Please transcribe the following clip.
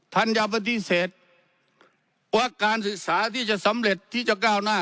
ท่านอย่าปฏิเสธว่าการศึกษาที่จะสำเร็จที่จะก้าวหน้า